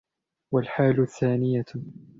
وَالْحَالُ الثَّانِيَةُ